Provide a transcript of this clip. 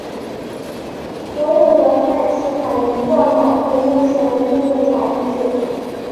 所有得传染性海绵状脑病目前均无法医治。